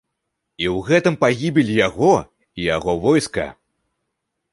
І ў гэтым пагібель яго і яго войска.